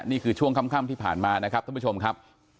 นี่คือช่วงค่ำที่ผ่านมานะครับท่านผู้ชมครับ